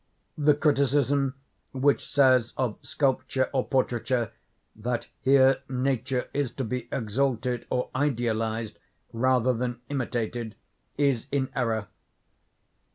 The criticism which says, of sculpture or portraiture, that here nature is to be exalted or idealized rather than imitated, is in error.